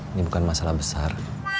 ini bukan masalah besar